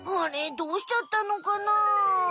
どうしちゃったのかな？